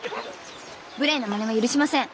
無礼なまねは許しません。